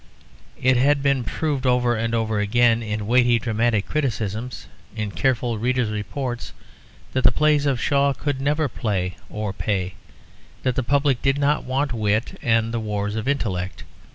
It had been proved over and over again in weighty dramatic criticisms, in careful readers' reports, that the plays of Shaw could never play or pay; that the public did not want wit and the wars of intellect.